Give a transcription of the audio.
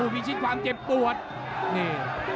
เผ่าฝั่งโขงหมดยก๒